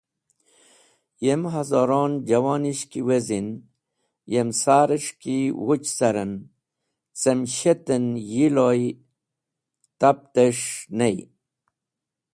Yem hazoron juwonish ki wezin yem sares̃h ki wuch caren, cem shet en yiloy taptes̃h ney.